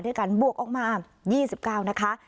การบวกออกมา๒๙นะคะ